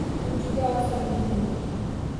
- Bu juda oson, - dedim men